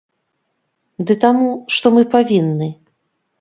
Ды таму, што мы павінны.